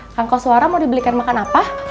kang koswara mau dibelikan makan apa